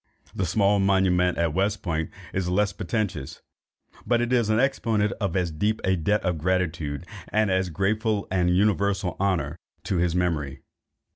The small monument at West Point has less pretension, but it is the exponent of as deep a debt of gratitude, and of as grateful and universal honour to his memory.